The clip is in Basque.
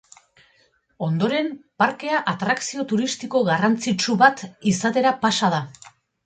Ondoren, parkea atrakzio turistiko garrantzitsu bat izatera pasa da.